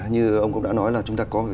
như ông cũng đã nói là chúng ta có